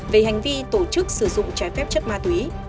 về hành vi tổ chức sử dụng trái phép chất ma túy